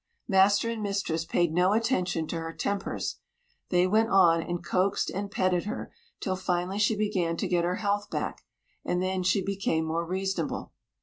Master and mistress paid no attention to her tempers. They went on, and coaxed and petted her, till finally she began to get her health back, and then she became more reasonable.